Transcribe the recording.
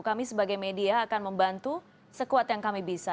kami sebagai media akan membantu sekuat yang kami bisa